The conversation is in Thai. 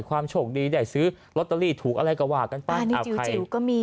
ความโชคดีได้ซื้อลอตเตอรี่ถูกอะไรกว่ากันป่ะอ่าในจิ๋วจิ๋วก็มี